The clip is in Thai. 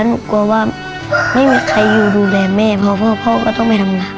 หนูกลัวว่าไม่มีใครดูแลแม่พอพบข้อก็ต้องไปทำงาน